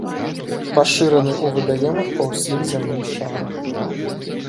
Пашыраны ў вадаёмах па ўсім зямным шары.